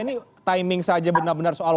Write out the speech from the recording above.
ini timing saja benar benar soal